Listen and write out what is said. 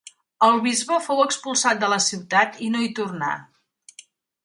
El bisbe fou expulsat de la ciutat i no hi tornà.